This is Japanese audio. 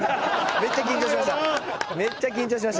めっちゃ緊張しました。